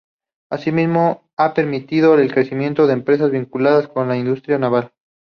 Asimismo, ha permitido el crecimiento de empresas vinculadas con la industria naval.